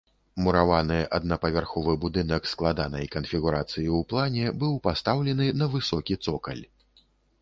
Мураваны аднапавярховы будынак складанай канфігурацыі ў плане, быў пастаўлены на высокі цокаль.